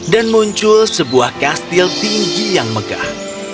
dan muncul sebuah kastil tinggi yang megah